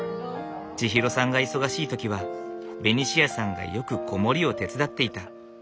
ちひろさんが忙しい時はベニシアさんがよく子守を手伝っていた。